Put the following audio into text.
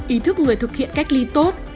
ý thức người thực hiện cách ly tốt